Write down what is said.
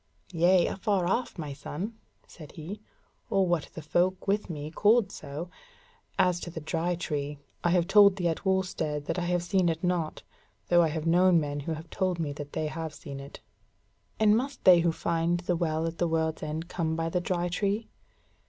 "Yea, afar off, my son," said he; "or what the folk with me called so; as to the Dry Tree, I have told thee at Wulstead that I have seen it not, though I have known men who have told me that they have seen it." "And must they who find the Well at the World's End come by the Dry Tree?"